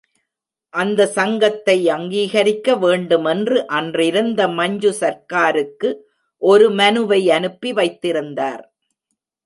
அந்த சங்கத்தை அங்கீகரிக்க வேண்டுமென்று அன்றிருந்த மஞ்சு சர்க்காருக்கு ஒரு மனுவை அனுப்பி வைத்திருந்தார்.